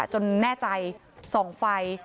แน่ใจส่องไฟ